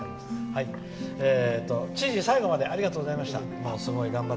知事、最後までありがとうございました。